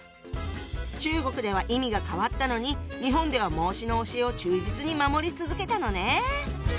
中国では意味が変わったのに日本では孟子の教えを忠実に守り続けたのね。